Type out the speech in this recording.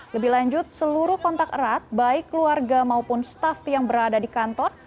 lebih lanjut seluruh kontak erat baik keluarga maupun staff yang berada di kantor